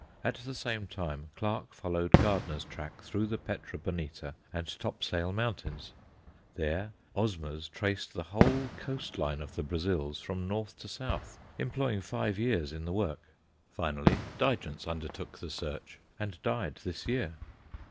At the same time Clarke followed Gardner's track through the Pedro Bonita and Topsail Mountains. Then Osmers traced the whole coast line of the Brazils from north to south, employing five years in the work. Finally, Digance undertook the search, and died this year.